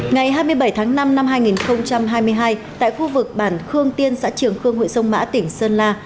ngày hai mươi bảy tháng năm năm hai nghìn hai mươi hai tại khu vực bản khương tiên xã trường khương huyện sông mã tỉnh sơn la